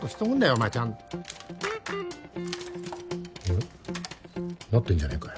お前ちゃんとえっなってんじゃねえかよ